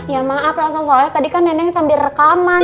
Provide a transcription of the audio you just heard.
ya maaf elsa soalnya tadi kan neneng sambil rekaman